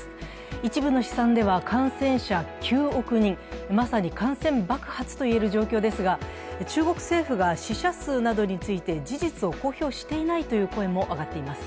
一部の試算では感染者９億人、まさに感染爆発といえる状況ですが、中国政府が死者数などについて、事実を公表していないという声も上がっています。